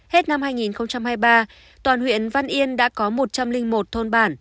hết năm hai nghìn hai mươi ba toàn huyện văn yên đã có một trăm linh một thôn bản